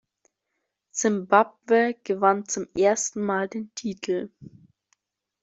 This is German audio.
Simbabwe gewann zum ersten Mal den Titel.